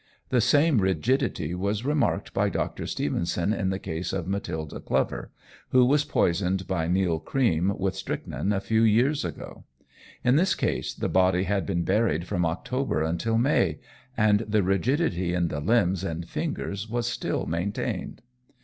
The same rigidity was remarked by Dr. Stevenson in the case of Matilda Clover, who was poisoned by Neill Cream with strychnine a few years ago. In this case, the body had been buried from October until May, and the rigidity in the limbs and fingers was still maintained.